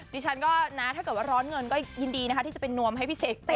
ดิฉันก็นะถ้าเกิดว่าร้อนเงินก็ยินดีนะคะที่จะเป็นนวมให้พี่เสกเต้น